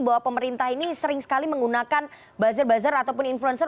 bahwa pemerintah ini sering sekali menggunakan buzzer buzzer ataupun influencer